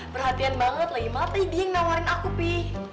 perhatian banget lagi malah tadi dia yang nawarin aku pi